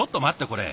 これ。